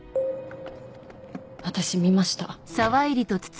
私見ました。